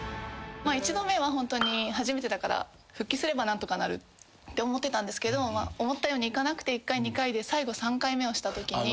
１度目はホントに初めてだから復帰すれば何とかなるって思ってたんですけど思ったようにいかなくて１回２回で最後３回目をしたときに。